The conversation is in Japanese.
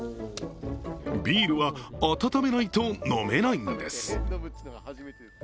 ビールは温めないと飲めないんです。